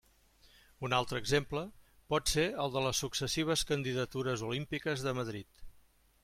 Un altre exemple pot ser el de les successives candidatures olímpiques de Madrid.